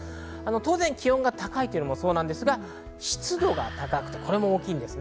当然気温が高いというのもそうなんですが、湿度が高く、これも大きいです。